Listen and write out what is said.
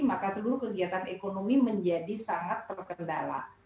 maka seluruh kegiatan ekonomi menjadi sangat terkendala